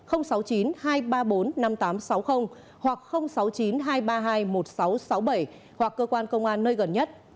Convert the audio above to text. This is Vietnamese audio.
sáu mươi chín hai trăm ba mươi bốn năm nghìn tám trăm sáu mươi hoặc sáu mươi chín hai trăm ba mươi hai một nghìn sáu trăm sáu mươi bảy hoặc cơ quan công an nơi gần nhất